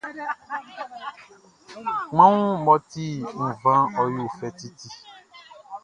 Kpanwun mʼɔ ti nvanʼn, ɔ yo fɛ titi.